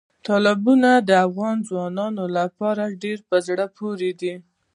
تالابونه د افغان ځوانانو لپاره ډېره په زړه پورې دي.